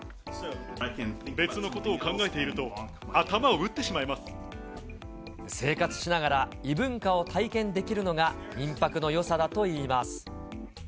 別のことを考えていると、生活しながら、異文化を体験できるのが民泊のよさだといいます。